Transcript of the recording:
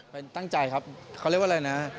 เป็นตั้งใจครับเขาเรียกว่าอะไรนะ